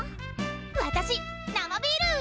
私生ビール！